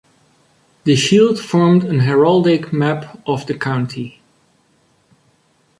The shield formed an heraldic map of the county.